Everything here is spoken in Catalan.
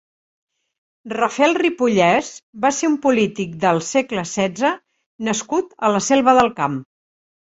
Rafael Ripollès va ser un polític del segle setze nascut a la Selva del Camp.